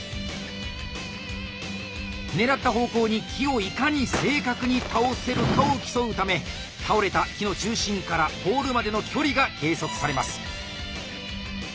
狙った方向に木をいかに正確に倒せるかを競うため倒れた木の中心からポールまでの距離が計測されます。